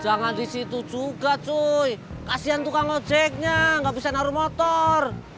jangan di situ juga cuy kasian tukang ojeknya gak bisa naruh motor